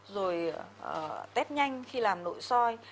rồi test nhanh khi làm nội soi